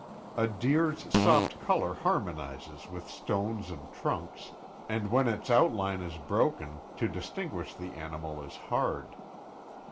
A deer's soft color harmonizes with stones and trunks, and, when its outline is broken, to distinguish the animal is hard.